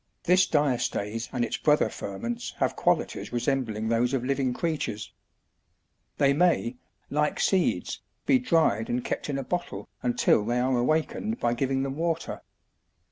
This diastase and its brother ferments have qualities resembling those of living creatures. They may, like seeds, be dried and kept in a bottle until they are awakened by giving them water.